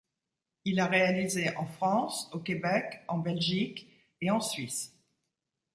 Il a réalisé en France, au Québec, en Belgique et en Suisse.